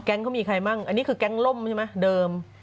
เขามีใครบ้างอันนี้คือแก๊งล่มใช่ไหมเดิม